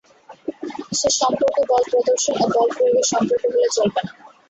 সে সম্পর্ক বল প্রদর্শন ও বল প্রয়োগের সম্পর্ক হলে চলবে না।